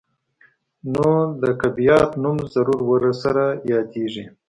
نو د کيپات نوم ضرور ورسره يادېږي.